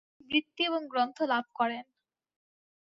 তিনি বৃত্তি এবং গ্রন্থ লাভ করেন।